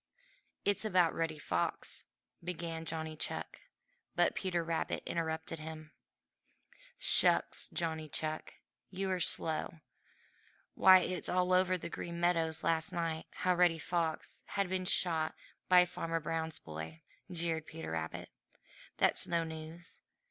"It's about Reddy Fox," began Johnny Chuck, but Peter Rabbit interrupted him. "Shucks, Johnny Chuck! You are slow! Why, it was all over Green Meadows last night how Reddy Fox had been shot by Farmer Brown's boy!" jeered Peter Rabbit. "That's no news.